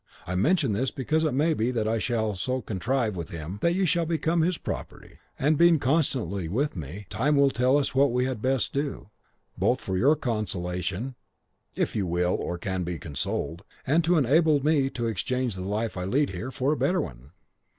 I mention this because it may be that I shall so contrive with him that you shall become his property, and being constantly with me, time will tell us what we had best do, both for your consolation, if you will or can be consoled, and to enable me to exchange the life I lead here for a better one."